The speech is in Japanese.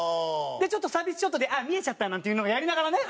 でちょっとサービスショットであっ見えちゃったなんていうのもやりながらね。